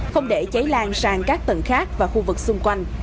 không để cháy lan sang các tầng khác và khu vực xung quanh